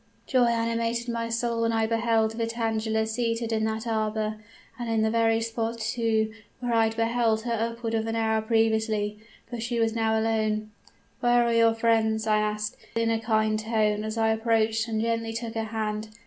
Joy animated my soul when I beheld Vitangela seated in that arbor, and in the very spot, too, where I had beheld her upward of an hour previously. But she was now alone. "'Where are your friends?' I asked, in a kind tone, as I approached and gently took her hand.